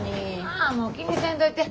ああもう気にせんといて。